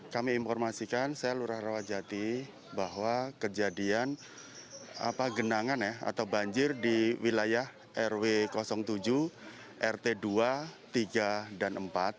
kami informasikan saya lurah rawajati bahwa kejadian genangan atau banjir di wilayah rw tujuh rt dua tiga dan empat